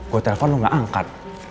gue telepon lu gak angkat